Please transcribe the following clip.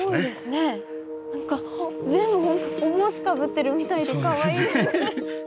全部本当お帽子かぶってるみたいでかわいいです。